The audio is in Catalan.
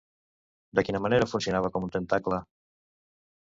De quina manera funcionava com un tentacle?